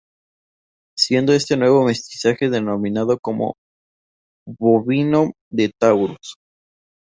Siendo este nuevo mestizaje denominado como "bovino de Taurus".